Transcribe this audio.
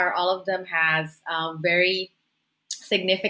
adalah mereka semua memiliki